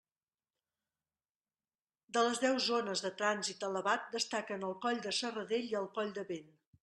De les deu zones de trànsit elevat destaquen el coll de Serradell i el coll de Vent.